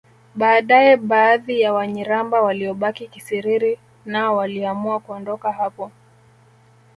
Baadaye baadhi ya Wanyiramba waliobaki Kisiriri nao waliamua kuondoka hapo